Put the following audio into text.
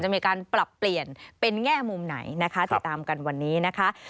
มีการปรับเปลี่ยนเป็นแง่มุมไหนนะคะติดตามกันวันนี้นะคะ